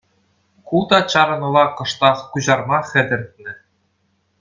Ку та чарӑнӑва кӑштах куҫарма хӗтӗртнӗ.